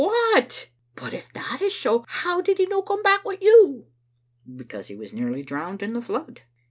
" "What I But if that is so, how did he no come back wi' you?" " Because he was nearly drowned in the flood."